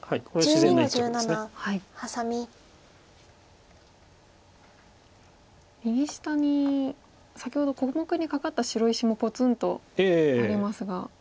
右下に先ほど小目にカカった白石もぽつんとありますが。